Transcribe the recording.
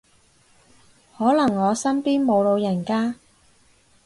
可能我身邊冇老人家